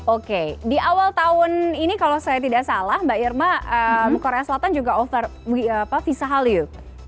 oke di awal tahun ini kalau saya tidak salah mbak irma korea selatan juga over visa hallyu